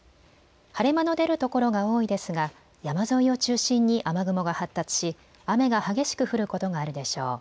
晴れ間の出るところが多いですが山沿いを中心に雨雲が発達し雨が激しく降ることがあるでしょう。